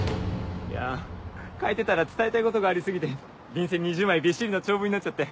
いや書いてたら伝えたいことがあり過ぎて便箋２０枚びっしりの長文になっちゃって。